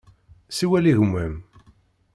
Siwel i gma-m.